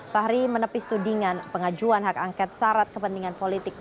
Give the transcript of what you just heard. fahri menepis tudingan pengajuan hak angket syarat kepentingan politik